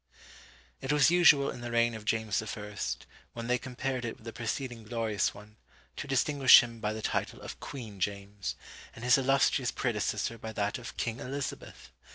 It was usual, in the reign of James the First, when they compared it with the preceding glorious one, to distinguish him by the title of Queen James, and his illustrious predecessor by that of King Elizabeth!